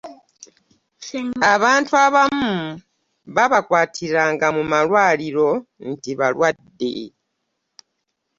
abantu abamu baabakwatiranga mu malwaliro nti balwadde.